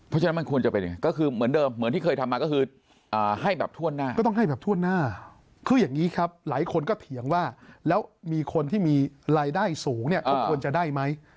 เพราะฉะนั้นมันควรจะเป็นอย่างไร